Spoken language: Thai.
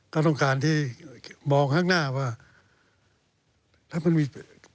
ก็ต้องการที่มองข้างหน้าว่าถ้ามันมี